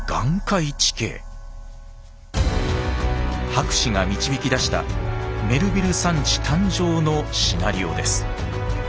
博士が導き出したメルヴィル山地誕生のシナリオです。